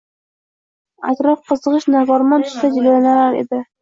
atrof qizgʼish-naparmon tusda jilvalanar edi.